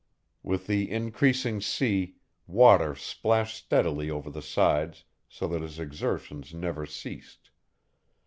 With the increasing sea, water splashed steadily over the sides so that his exertions never ceased.